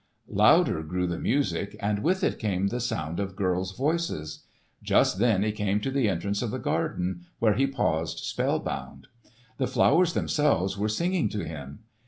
Louder grew the music, and with it came the sound of girls' voices. Just then he came to the entrance of the garden, where he paused spellbound. The flowers themselves were singing to him!